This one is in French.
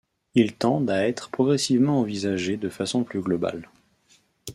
Ils tendent à être progressivement envisagés de façon plus globale.